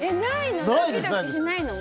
ないの？